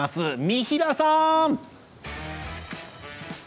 三平さん！